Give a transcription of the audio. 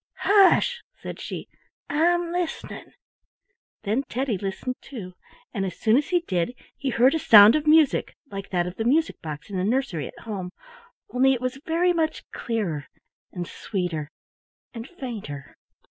"Hush!" said she. "I'm listening." Then Teddy listened too, and as soon as he did he heard a sound of music like that of the music box in the nursery at home, only it was very much clearer, and sweeter, and fainter.